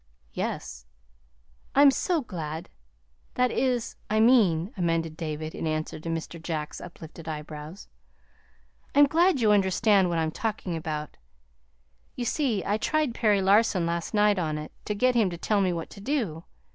"Yes." "I'm so glad that is, I mean," amended David, in answer to Mr. Jack's uplifted eyebrows, "I'm glad that you understand what I'm talking about. You see, I tried Perry Larson last night on it, to get him to tell me what to do.